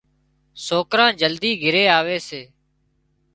سوڪران جلدي گھري آوي سي